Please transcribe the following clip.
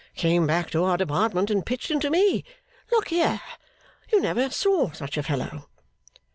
Came back to our Department, and Pitched into me. Look here. You never saw such a fellow.